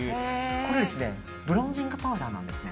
これブロンジングパウダーなんですね。